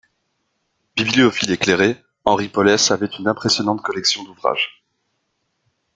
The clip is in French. Bibliophile éclairé, Henri Pollès avait une impressionnante collection d'ouvrages.